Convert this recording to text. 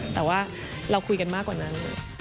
แต่ว่าเราคุยกันมากกว่านั้น